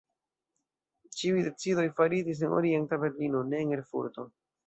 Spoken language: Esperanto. Ĉiuj decidoj faritis en Orienta Berlino, ne en Erfurto.